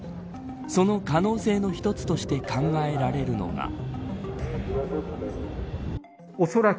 その可能性の一つとして考えられるのが。